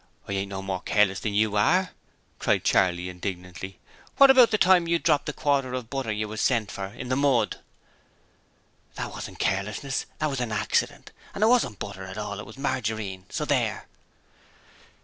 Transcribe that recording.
'I ain't no more careless than you are,' cried Charley, indignantly. 'What about the time you dropped the quarter of butter you was sent for in the mud?' 'That wasn't carelessness: that was an accident, and it wasn't butter at all: it was margarine, so there!'